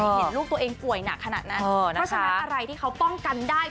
เห็นลูกตัวเองป่วยหนักขนาดนั้นเพราะฉะนั้นอะไรที่เขาป้องกันได้